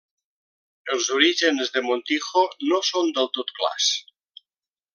Els orígens de Montijo no són del tot clars.